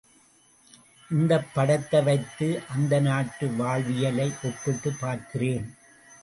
இந்தப் படத்தை வைத்து அந்த நாட்டு வாழ்வியலை ஒப்பிட்டுப் பார்க்கிறேன்.